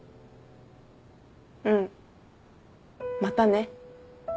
うん。またね。